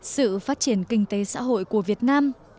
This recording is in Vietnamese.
sự phát triển kinh tế xã hội của việt nam